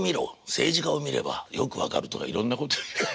政治家を見ればよく分かるとかいろんなこと。